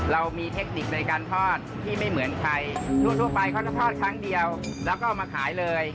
เรามีเทคนิคในการทอดที่ไม่เหมือนใครทั่วไปเขาจะทอดครั้งเดียวแล้วก็เอามาขายเลย